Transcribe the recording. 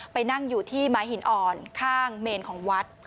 ไปนั่งอยู่ที่ม้าหินอ่อนข้างเมนของวัด